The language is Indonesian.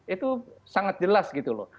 itu sangat jelas gitu loh